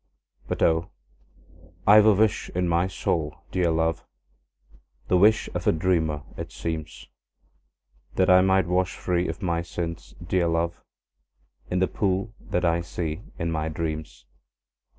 But, oh, I 've a wish in my soul, dear love, (The wish of a dreamer, it seems,) That I might wash free of my sins, dear love, In the pool that I see in my dreams.